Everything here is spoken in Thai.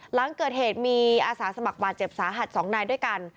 หลังเกิดเหตุมีอาสาสมัครบาดเจ็บสาหัส๒นายด้วยกัน